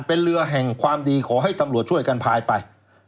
เป็นเรือแห่งความดีขอให้ตำรวจช่วยกันพายไป